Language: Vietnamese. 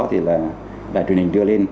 thì là đài truyền hình đưa lên